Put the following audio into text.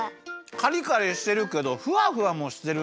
カリカリしてるけどふわふわもしてるね